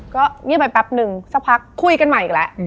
ก็เงียบไปแป๊บนึงสักพักคุยกันใหม่อีกแล้ว